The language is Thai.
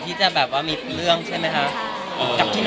เช่นย้าน้อยเราก็อยู่มือจิต